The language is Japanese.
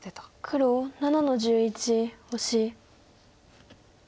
黒７の十一オシ。